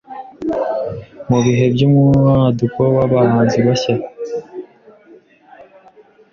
mu bihe by’umwaduko w’abahanzi bashya